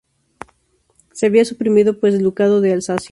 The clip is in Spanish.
Se había suprimido pues el ducado de Alsacia.